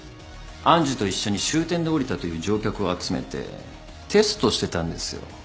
愛珠と一緒に終点で降りたという乗客を集めてテストしてたんですよ。